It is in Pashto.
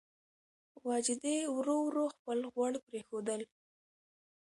واجدې ورو ورو خپل غوړ پرېښودل.